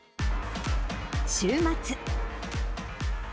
週末。